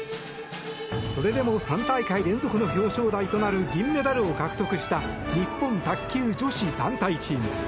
それでも３大会連続の表彰台となる銀メダルを獲得した日本卓球女子団体チーム。